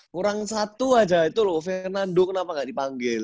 kurang satu aja itu loh fernando kenapa nggak dipanggil